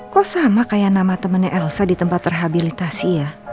kok sama kayak nama temannya elsa di tempat rehabilitasi ya